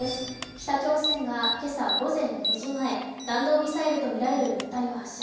北朝鮮が今朝午前４時前、弾道ミサイルとみられる物体を発射。